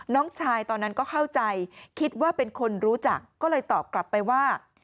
น้องชายตอนนั้นก็เข้าใจคิดว่าเป็นคนรู้จักก็เลยตอบกลับไปว่า